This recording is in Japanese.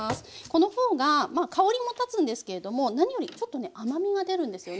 この方が香りも立つんですけれども何よりちょっとね甘みが出るんですよね。